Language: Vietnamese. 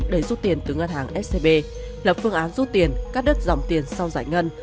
để rút tiền từ ngân hàng scb lập phương án rút tiền cắt đứt dòng tiền sau giải ngân